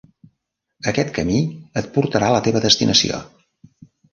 Aquest camí et portarà a la teva destinació.